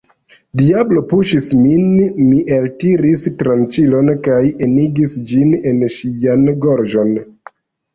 Diablo puŝis min, mi eltiris tranĉilon kaj enigis ĝin en ŝian gorĝon.